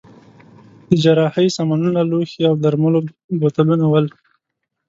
د جراحۍ سامانونه، لوښي او د درملو بوتلونه ول.